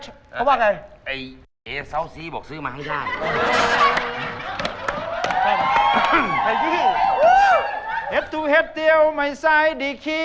ไอ้ซาวซีบอกซื้อมาให้ช่าง